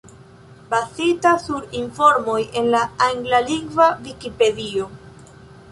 Bazita sur informoj en la anglalingva Vikipedio.